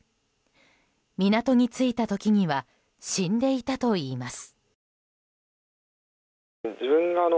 港に着いた時には死んでいたといいます。